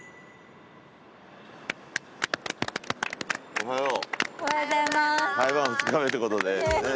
おはよう。